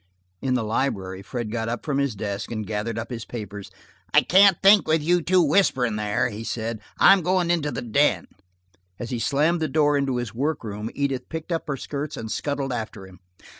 In the library Fred got up from his desk and gathered up his papers. "I can't think with you two whispering there," he said, "I'm going to the den." As he slammed the door into his workroom Edith picked up her skirts and scuttled after him.